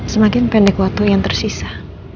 semakin pendek waktu yang tersisa